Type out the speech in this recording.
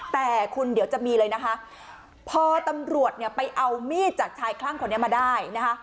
แต่คุณเดี๋ยวจะมีเลยนะคะพอตำรวจเนี่ยไปเอามีดจากชายคลั่งคนนี้มาได้นะคะ